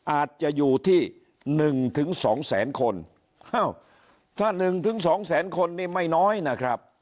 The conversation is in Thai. อาจจะอยู่ที่หนึ่งถึงสองแสนคนอ้าวถ้าหนึ่งถึงสองแสนคนนี่ไม่น้อยนะครับ